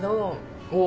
お。